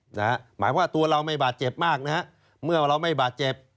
หมายว่าตัวเราไม่บาดเจ็บมากนะฮะเมื่อเราไม่บาดเจ็บ